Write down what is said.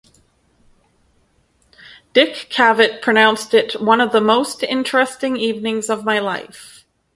Dick Cavett pronounced it "one of the most interesting evenings of my life".